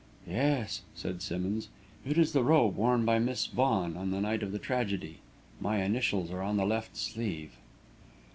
"Yes," said Simmonds. "It is the robe worn by Miss Vaughan on the night of the tragedy. My initials are on the left sleeve."